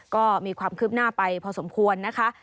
ก็มีความคืบหน้าไปพอสมควรนะคะ